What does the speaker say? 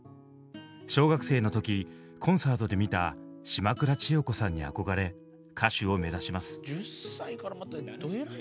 小学生の時コンサートで見た島倉千代子さんに憧れ歌手を目指します。